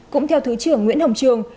cũng theo thứ trưởng nguyễn hồng trường